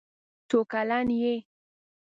څو کلن یې.